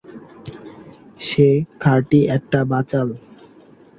সে খাঁটি একটা বাচাল।